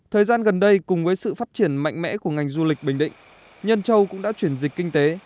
thời gian gần đây cùng với sự phát triển mạnh mẽ của ngành du lịch bình định nhân châu cũng đã chuyển dịch kinh tế